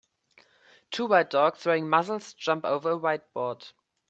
Two white dogs wearing muzzles jump over a whiteboard.